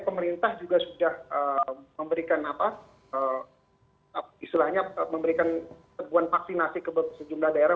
pemerintah juga sudah memberikan apa istilahnya memberikan teguhan vaksinasi ke sejumlah daerah